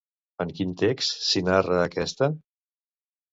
En quin text s'hi narra aquesta?